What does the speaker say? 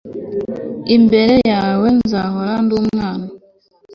imbere yawe nzahora nd'umwana